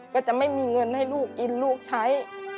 ก็จะไม่มีเงินให้ลูกกินลูกใช้